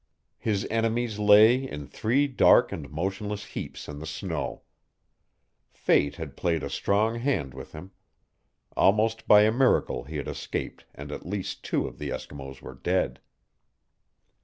His enemies lay in three dark and motionless heaps in the snow. Fate had played a strong hand with him. Almost by a miracle he had escaped and at least two of the Eskimos were dead.